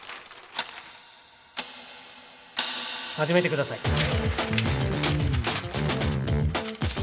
始めてください